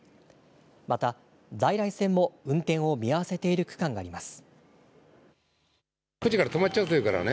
また在来線も運転を見合わせている区間があります。